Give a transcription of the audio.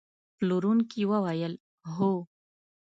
پلورونکي وویل: هو.